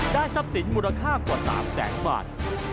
ทรัพย์สินมูลค่ากว่า๓แสนบาท